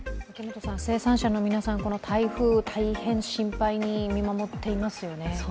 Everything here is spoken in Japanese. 生産者の皆さん、台風大変心配に見守っていますよね。